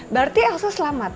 berarti elsa selamat